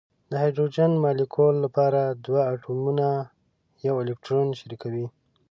د هایدروجن مالیکول لپاره دوه اتومونه یو الکترون شریکوي.